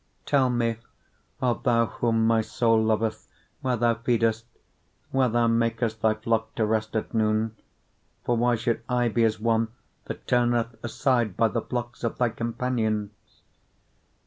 1:7 Tell me, O thou whom my soul loveth, where thou feedest, where thou makest thy flock to rest at noon: for why should I be as one that turneth aside by the flocks of thy companions?